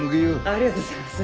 ありがとうございます！